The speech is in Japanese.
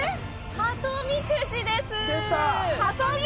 鳩みくじです。